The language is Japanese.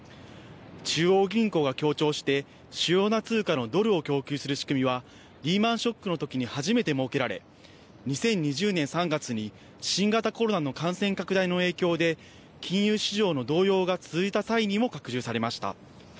中央銀行が協調して主要な通貨のドルを供給する仕組みはリーマンショックのときに初めて設けられ、２０２０年３月に新型コロナの感染拡大の影響で金融市場の動揺が続いた際にも拡充されました。